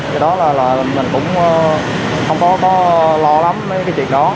vì đó là mình cũng không có lo lắm mấy cái chuyện đó